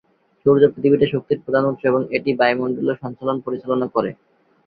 সূর্য পৃথিবীতে শক্তির প্রধান উৎস এবং এটি বায়ুমণ্ডলীয় সঞ্চালন পরিচালনা করে।